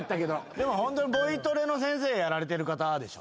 でもボイトレの先生やられてる方でしょ？